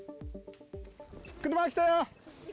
車来たよ！